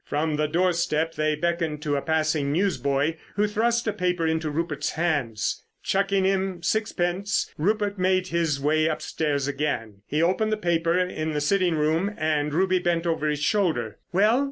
From the doorstep they beckoned to a passing newsboy, who thrust a paper into Rupert's hands. Chucking him sixpence Rupert made his way upstairs again. He opened the paper in the sitting room, and Ruby bent over his shoulder. "Well?"